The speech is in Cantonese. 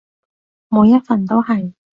每一份都係